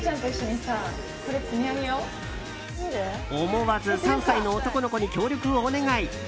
思わず３歳の男の子に協力をお願い。